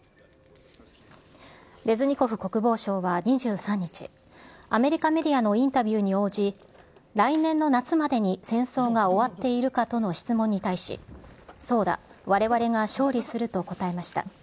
レズニコフ国防相は２３日、アメリカメディアのインタビューに応じ、来年の夏までに戦争が終わっているかとの質問に対し、そうだ、われわれが勝利すると答えました。